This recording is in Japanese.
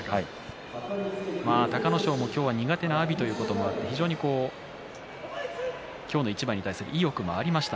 隆の勝も苦手な阿炎ということもあって今日の一番に対する意欲もありました。